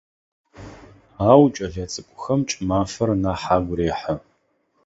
Ау кӏэлэцӏыкӏухэм кӏымафэр нахь агу рехьы.